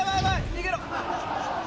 逃げろ！